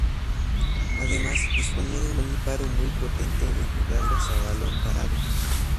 Además, disponía de un disparo muy potente en jugadas a balón parado.